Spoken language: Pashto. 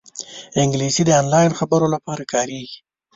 انګلیسي د آنلاین خبرو لپاره کارېږي